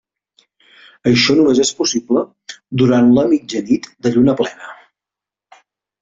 Això només és possible durant la mitjanit de lluna plena.